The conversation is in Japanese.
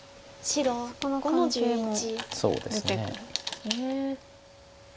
そこの関係も出てくるんですね。